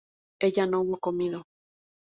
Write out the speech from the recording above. ella no hubo comido